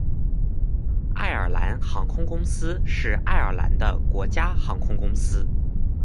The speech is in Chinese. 爱尔兰航空公司是爱尔兰的国家航空公司。